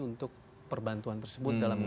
untuk perbantuan tersebut dalam